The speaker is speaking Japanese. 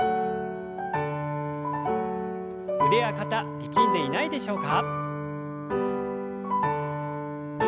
腕や肩力んでいないでしょうか。